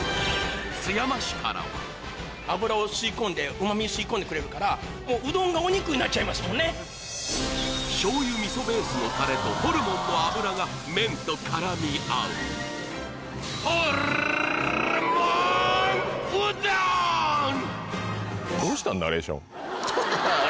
津山市からは醤油味噌ベースのタレとホルモンの脂が麺と絡み合うホルるるるるモンうどん！